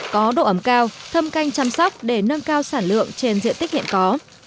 có độ ấm cao thâm canh chăm sóc để nâng cao sản lượng trên diện tích hiện có